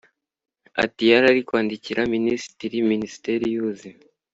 Ati "Yari kwandikira Minisitiri Minisiteri y’ubuzima